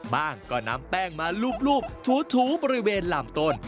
ก็นำแป้งมาลูบถูบริเวณลำต้น